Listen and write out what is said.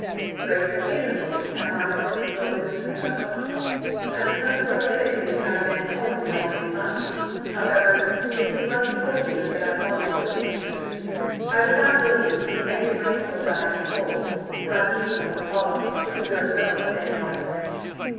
" Great and beautiful, am I ?" said Wildoo, with a chuckle. " That is not the sort of thing you have been calling me all these months. However, it is lucky for you that I am also good natured i I would not willingly see any of my people die of cold, not even the Wokala, who deserve little of anyone."